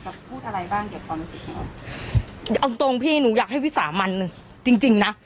เกี่ยวกับความรู้สึกของเขาเอาตรงพี่หนูอยากให้วิสาห์มันจริงจริงน่ะ